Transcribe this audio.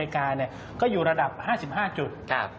กาก็อยู่ระดับ๕๕จุด